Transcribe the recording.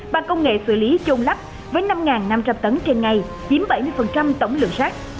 bằng công nghệ xử lý chôn lắp với năm năm trăm linh tấn trên ngày chiếm bảy mươi tổng lượng sát